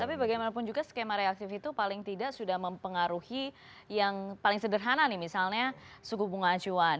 tapi bagaimanapun juga skema reaktif itu paling tidak sudah mempengaruhi yang paling sederhana nih misalnya suku bunga acuan